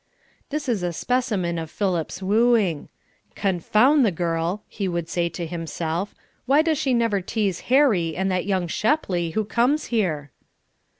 This is a specimen of Philip's wooing. Confound the girl, he would say to himself, why does she never tease Harry and that young Shepley who comes here?